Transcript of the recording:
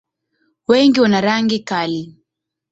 Wengi wana rangi kali.